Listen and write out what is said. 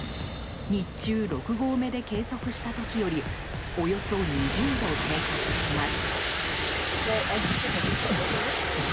日中、６合目で計測した時よりおよそ２０℃低下しています。